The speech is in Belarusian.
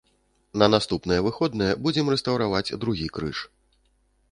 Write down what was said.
На наступныя выходныя будзем рэстаўраваць другі крыж.